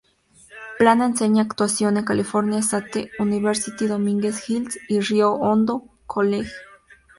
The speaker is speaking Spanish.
Plana enseña actuación en California State University, Dominguez Hills y Rio Hondo College.